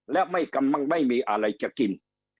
และกำลังไม่มีอะไรจะกิน